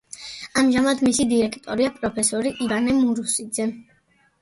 ამჟამად მისი დირექტორია პროფესორი ივანე მურუსიძე.